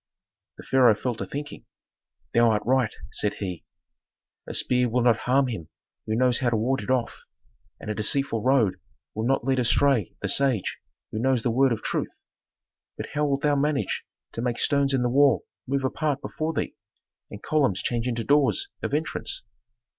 The pharaoh fell to thinking. "Thou art right," said he. "A spear will not harm him who knows how to ward it off, and a deceitful road will not lead astray the sage who knows the word of truth. But how wilt thou manage to make stones in the wall move apart before thee, and columns change into doors of entrance?"